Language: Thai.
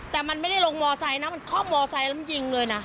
แต่มันไม่ได้ลงมอเซ็นต์นะมันข้อมอเซ็นต์แล้วมันยิงเลยนะ